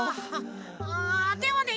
あでもね